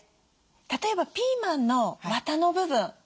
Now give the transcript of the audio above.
例えばピーマンのわたの部分。